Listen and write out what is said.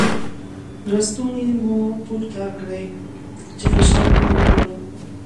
ړستونی مو پورته کړی چې فشار مو وګورم.